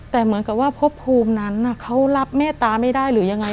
แต่เหมือนกับว่าพบภูมินั้นเขารับแม่ตาไม่ได้หรือยังไง